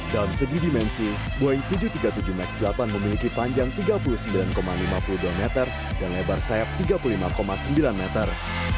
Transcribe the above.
dalam segi dimensi boeing tujuh ratus tiga puluh tujuh max delapan memiliki panjang tiga puluh sembilan lima puluh dua meter dan lebar sayap tiga puluh lima sembilan meter